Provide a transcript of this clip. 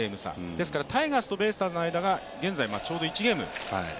ですからタイガースとベイスターズの間が、現在ちょうど１ゲーム。